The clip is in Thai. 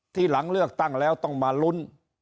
หลังเลือกตั้งแล้วต้องมาลุ้น